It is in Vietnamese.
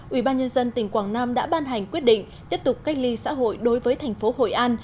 ubnd tỉnh quảng nam đã ban hành quyết định tiếp tục cách ly xã hội đối với tp hội an